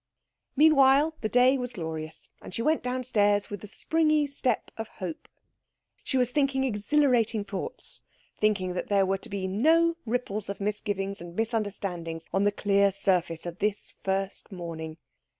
Meanwhile the day was glorious, and she went downstairs with the springy step of hope. She was thinking exhilarating thoughts, thinking that there were to be no ripples of misgivings and misunderstandings on the clear surface of this first morning.